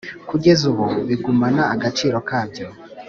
Kugeza ubu bigumana agaciro kabyo